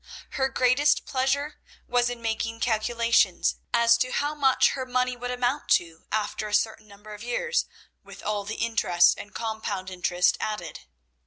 Her greatest pleasure was in making calculations, as to how much her money would amount to after a certain number of years, with all the interest and compound interest added.